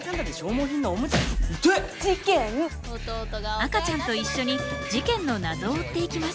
赤ちゃんと一緒に事件の謎を追っていきます。